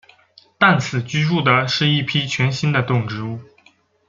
但此居住的是一批全新的动植物。